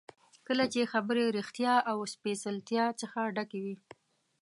کله چې خبرې ریښتیا او سپېڅلتیا څخه ډکې وي.